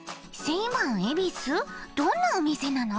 どんなお店なの？